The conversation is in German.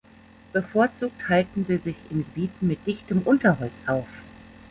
Bevorzugt halten sie sich in Gebieten mit dichtem Unterholz auf.